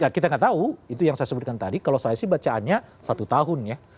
kita nggak tahu itu yang saya sebutkan tadi kalau saya sih bacaannya satu tahun ya